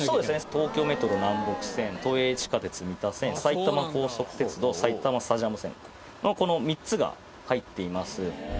東京メトロ南北線、都営地下鉄三田線、埼玉高速鉄道さいたまスタジアム線、この３つが入っています。